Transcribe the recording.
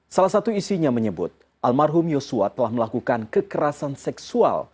salah satu isinya menyebut almarhum yosua telah melakukan kekerasan seksual